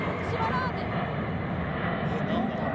えっ何だろう？